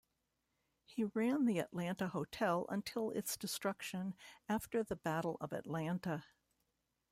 He ran the Atlanta Hotel until its destruction after the Battle of Atlanta.